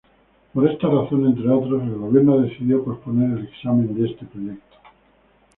Por esta razón, entre otros, el gobierno decidió posponer el examen de este proyecto.